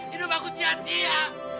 hidup aku cia cia